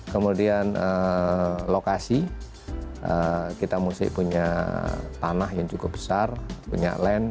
kemudian lokasi kita mesti punya tanah yang cukup besar punya lend